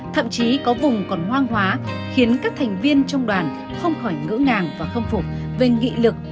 thậm chí có vùng còn hoang hóa khiến các thành viên trong đoàn không khỏi ngỡ ngàng và khâm phục về nghị lực